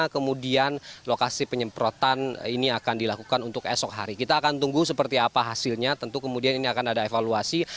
kemudian lokasi penyemprotan ini akan dilakukan untuk esok hari kita akan tunggu seperti apa hasilnya tentu kemudian ini akan ada evaluasi